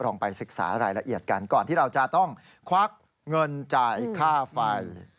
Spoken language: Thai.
ไปศึกษารายละเอียดกันก่อนที่เราจะต้องควักเงินจ่ายค่าไฟ